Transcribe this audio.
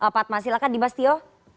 pak tma silakan dibastio